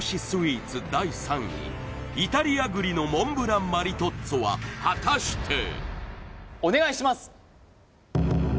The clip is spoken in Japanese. スイーツ第３位イタリア栗のモンブランマリトッツォは果たしてお願いします